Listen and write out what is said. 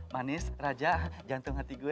manis raja jantung hati gue